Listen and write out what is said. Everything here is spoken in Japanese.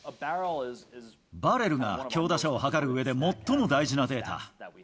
バレルが強打者を測るうえで最も大事なデータ。